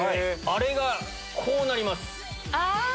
あれがこうなります。